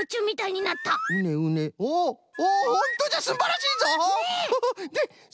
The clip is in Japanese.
うねうねおほんとじゃすんばらしいぞ！